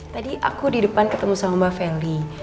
tadi aku di depan ketemu sama mbak feli